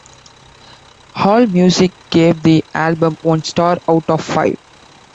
Allmusic gave the album one star out of five.